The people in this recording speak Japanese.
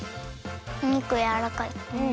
お肉やわらかい。